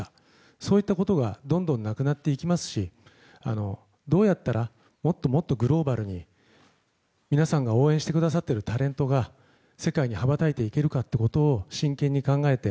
そういったことがどんどんなくなっていきますしどうやったら、もっともっとグローバルに皆さんが応援してくださっているタレントが世界に羽ばたいていけるかを真剣に考えて。